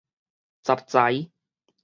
雜才